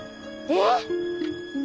えっ？